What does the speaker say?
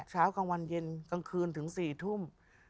เช้ากลางวันเย็นกลางคืนถึง๔ทุ่ม